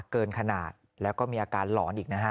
เกินขนาดแล้วก็มีอาการหลอนอีกนะฮะ